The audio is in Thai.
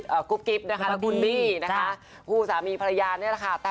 อ่ากลุ๊ปกิปนะคะนะคะภูสามีภรรยาเนี่ยแหละ